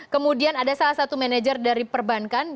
kemudian ada salah satu manajer dari perbankan